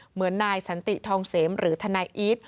เหมือนนายสันติทองเสมหรือทนายอีท